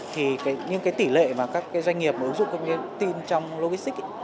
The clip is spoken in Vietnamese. thì những cái tỷ lệ mà các cái doanh nghiệp ứng dụng công nghệ tin trong logistics